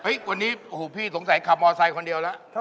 เฮ้ยวันนี้อู๋พี่สงสัยขับมอเซอร์ไซค์คนเดียวแล้ว